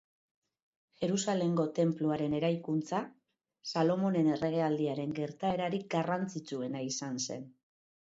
Jerusalengo Tenpluaren eraikuntza, Salomonen erregealdiaren gertaerarik garrantzitsuena izan zen.